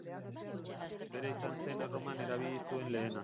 Bera izan zen Erroman erabili zuen lehena.